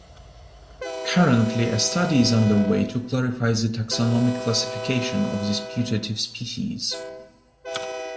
Currently a study is underway to clarify the taxonomic classification of this putative subspecies.